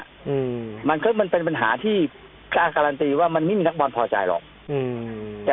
อืมมันก็มันเป็นปัญหาที่กล้าการันตีว่ามันไม่มีนักบอลพอใจหรอกอืม